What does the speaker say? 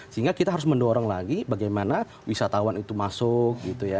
sehingga kita harus mendorong lagi bagaimana wisatawan itu masuk